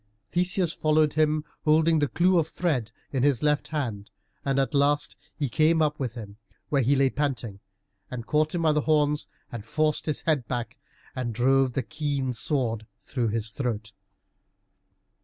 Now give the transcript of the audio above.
Theseus followed him, holding the clue of thread in his left hand, and at last he came up with him, where he lay panting, and caught him by the horns, and forced his head back, and drove the keen sword through his throat.